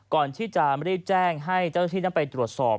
ก่อนที่จะรีบแจ้งให้เจ้าหน้าที่นั้นไปตรวจสอบ